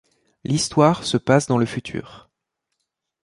L'histoire se passe dans le futur.